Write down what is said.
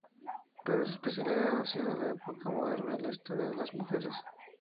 Pero su especialidad ha sido la Época Moderna y la historia de las mujeres.